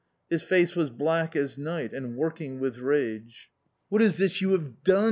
His face was black as night and working with rage. "What is this you have done?"